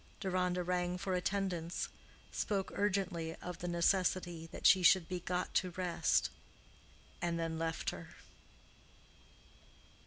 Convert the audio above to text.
Deronda rang for attendance, spoke urgently of the necessity that she should be got to rest, and then left her.